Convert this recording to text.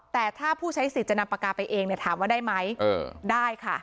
แต่ถ้าผู้ใช้สิทธิ์จะนำปากกาไปเองเนี่ยถามว่าได้ไหมได้ค่ะ